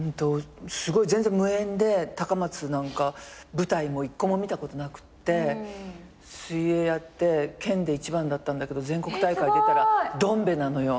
すごい全然無縁で高松なんか舞台も１個も見たことなくって水泳やって県で一番だったんだけど全国大会出たらどんべなのよ。